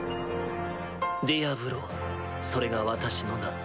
ディアブロそれが私の名。